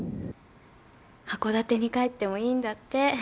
函館に帰ってもいいんだって！